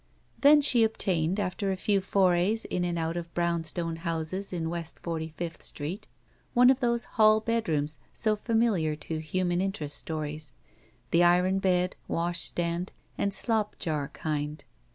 Then she obtained, after a few forays in and out of brownstone houses in West Forty fifth Street, one of those hall bedrooms so familiar to human interest stories — ^the iron bed, washstand, and slop jar kind.